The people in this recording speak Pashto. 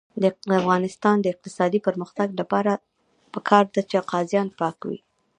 د افغانستان د اقتصادي پرمختګ لپاره پکار ده چې قاضیان پاک وي.